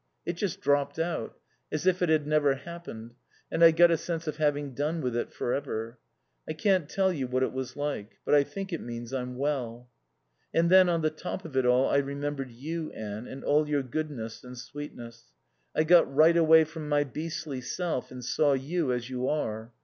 It just dropped out, as if it had never happened, and I got a sense of having done with it forever. I can't tell you what it was like. But I think it means I'm well. "And then, on the top of it all, I remembered you, Anne, and all your goodness and sweetness. I got right away from my beastly self and saw you as you are.